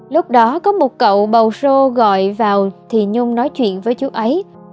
lúc đó có một cậu bầu sô gọi vào thì nhung nói chuyện với chú ấy